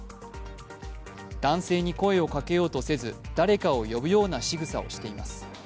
男性に声をかけようとせず、誰かを呼ぶようなしぐさをしています。